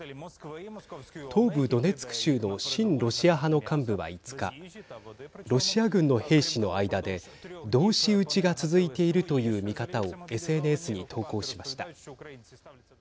東部ドネツク州の親ロシア派の幹部は５日ロシア軍の兵士の間で同士討ちが続いているという見方をＳＮＳに投稿しました。